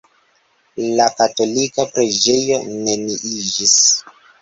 La katolika preĝejo neniiĝis.